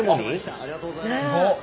ありがとうございます。